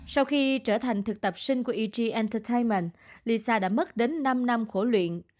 sau khi trở thành thực tập sinh của eg entertainment lisa đã mất đến năm năm khổ luyện